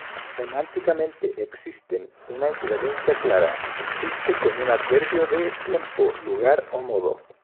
Semánticamente existen una equivalencia clara existe con un adverbio de tiempo, lugar o modo.